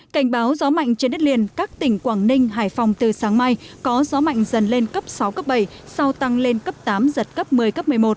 cảnh báo gió mạnh trên đất liền các tỉnh quảng ninh hải phòng từ sáng mai có gió mạnh dần lên cấp sáu cấp bảy sau tăng lên cấp tám giật cấp một mươi cấp một mươi một